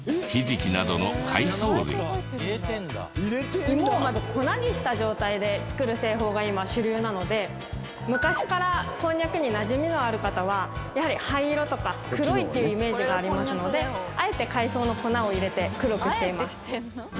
そう芋をまず粉にした状態で作る製法が今主流なので昔からこんにゃくになじみのある方はやはり灰色とか黒いっていうイメージがありますのであえて海藻の粉を入れて黒くしています。